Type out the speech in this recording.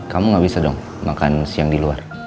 kamu gak bisa dong makan siang di luar